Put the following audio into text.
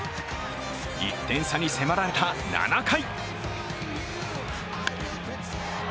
１点差に迫られた７回。